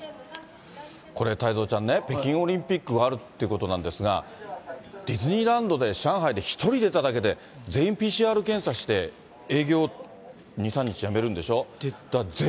これ、太蔵ちゃんね、北京オリンピックがあるってことなんですが、ディズニーランドで、上海で１人出ただけで全員ＰＣＲ検査して、営業２、３日やめるんでしょ。